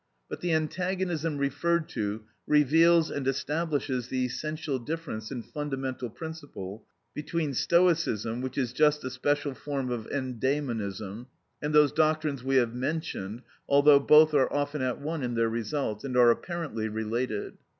But the antagonism referred to reveals and establishes the essential difference in fundamental principle between Stoicism, which is just a special form of endæmonism, and those doctrines we have mentioned, although both are often at one in their results, and are apparently related.